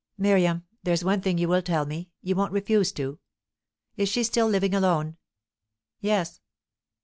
"Miriam, there's one thing you will tell me; you won't refuse to. Is she still living alone?" "Yes."